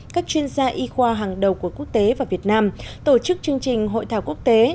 các chuyên gia y khoa hàng đầu của quốc tế và việt nam tổ chức chương trình hội thảo quốc tế